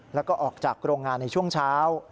แล้วก็ออกจากโรงงานในช่วงเช้า